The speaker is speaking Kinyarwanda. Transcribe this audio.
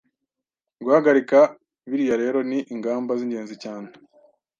Guhagarika biriya rero ni ingamba z'ingenzi cyane